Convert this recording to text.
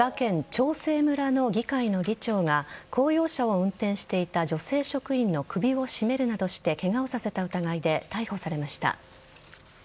長生村の議会の議長が公用車を運転していた女性職員の首を絞めるなどしてケガをさせた疑いで逮捕されました。